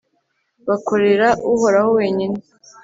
bakorera uhoraho wenyine